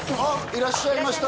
いらっしゃいました